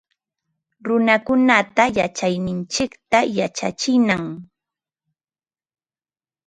Runakunata yachayninchikta yachachinam